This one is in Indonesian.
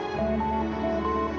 kalo ada yang mau tau